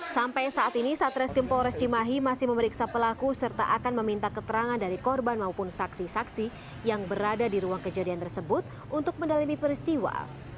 sampai saat ini satreskrim polres cimahi masih memeriksa pelaku serta akan meminta keterangan dari korban maupun saksi saksi yang berada di ruang kejadian tersebut untuk mendalami peristiwa